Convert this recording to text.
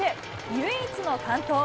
唯一の完登。